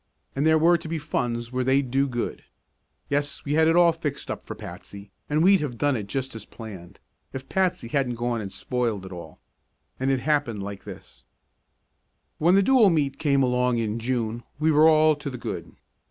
And there were to be funds where they'd do good. Yes, we had it all fixed up for Patsy and we'd have done it just as planned if Patsy hadn't gone and spoiled it all. And it happened like this: When the Dual Meet came along in June we were all to the good.